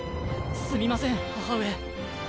すみません母上。